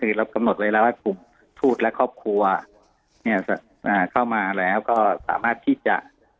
คือกำหนดไว้แล้วว่าทูตและครอบครัวเข้ามาแล้วก็สามารถที่จะ